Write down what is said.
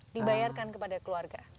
dibayarkan kepada keluarga